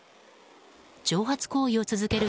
挑発行為を続ける